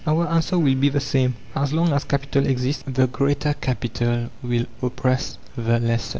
Our answer will be the same: As long as Capital exists, the Greater Capital will oppress the lesser.